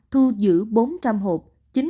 thu giữ bốn trăm linh hộp